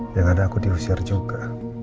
ya enggak ada aku diusir juga